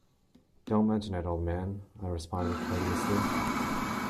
"Don't mention it, old man," I responded courteously.